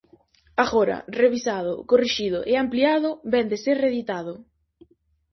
Agora, revisado, corrixido e ampliado, vén de ser reeditado.